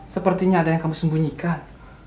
sepertinya ada yang kamu sembunyikan